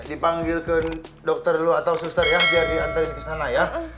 dipanggil ke dokter dulu atau suster ya biar diantarin ke sana ya